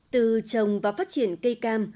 từ trồng và phát triển cây cam